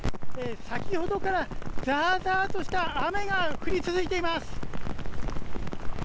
先ほどからザーザーとした雨が降り続いています。